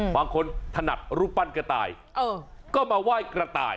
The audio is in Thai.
ถนัดรูปปั้นกระต่ายก็มาไหว้กระต่าย